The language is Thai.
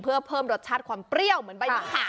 เพื่อเพิ่มรสชาติความเปรี้ยวเหมือนใบมะขาม